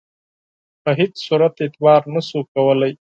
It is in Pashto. په هیڅ صورت اعتبار نه سو کولای.